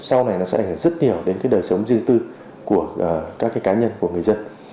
sau này nó sẽ ảnh hưởng rất nhiều đến cái đời sống riêng tư của các cái cá nhân của người dân